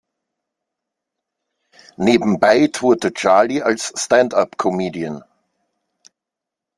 Nebenbei tourte Charlie als Standup-Comedian.